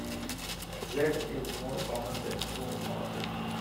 'Z' is more common than 'Q' or 'W'.